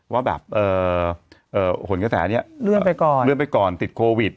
ว่าแบบหลวนกระแสเรื่องของเขาเลื่อนไปก่อนติดโควิด